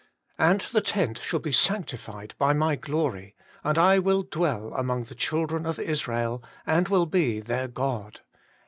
And the tent shall be sanctified by my glory, and I will dwell among the children of Israel, and will be their God.'